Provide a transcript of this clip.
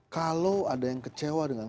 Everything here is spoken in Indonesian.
kalau ada yang kecewa dengan